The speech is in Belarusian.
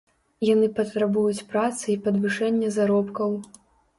Яны патрабуюць працы і падвышэння заробкаў.